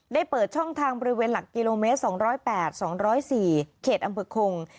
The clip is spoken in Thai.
ได้เปิดช่องทางบริเวณหลักกิโลเมตรสองร้อยแปดสองร้อยสี่เขตอำเภอคง